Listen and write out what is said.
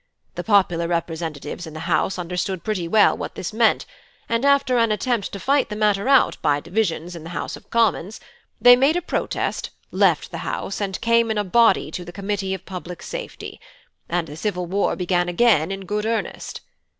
The popular representatives in the House understood pretty well what this meant, and after an attempt to fight the matter out by divisions in the House of Commons, they made a protest, left the House, and came in a body to the Committee of Public Safety: and the civil war began again in good earnest.